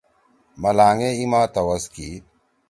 ملانگے ایما توس کی۔